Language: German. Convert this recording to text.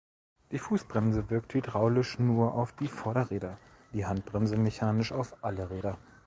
Die Fußbremse wirkt hydraulisch nur auf die Vorderräder, die Handbremse mechanisch auf alle Räder.